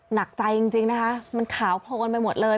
หนักใจจริงนะคะมันขาวโพลนไปหมดเลย